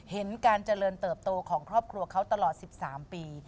เห็นการเจริญเติบโตของครอบครัวเขาตลอด๑๓ปี